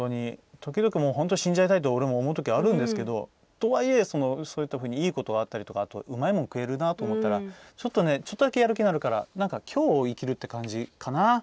時々、死んじゃいたいと俺も思うときあるんですけどとはいえいいことがあったりとかうまいものが食えるなって思ったらちょっとだけ、やる気になるからきょうを生きるっていう感じかな。